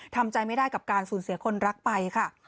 ทำใจไม่ได้กับการสูญเสียคนรักไปค่ะ